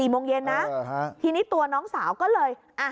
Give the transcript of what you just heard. โมงเย็นนะทีนี้ตัวน้องสาวก็เลย